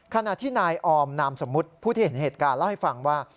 ขณะที่นายออมนามสมมุติผู้ที่เห็นเหตุการณ์เล่าให้ฟังว่า